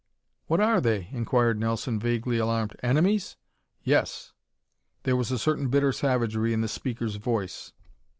"What are they?" inquired Nelson, vaguely alarmed. "Enemies?" "Yes." There was a certain bitter savagery in the speaker's voice.